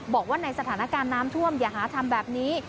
บอกว่าในสถานการณ์น้ำท่วมอย่าหาทำแบบนี้